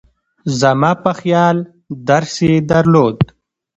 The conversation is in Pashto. زما په خیال درس یې درلود.